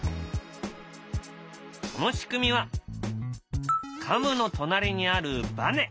その仕組みはカムの隣にあるばね。